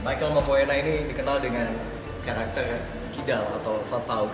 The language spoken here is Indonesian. michael mopoena ini dikenal dengan karakter kidal atau satpao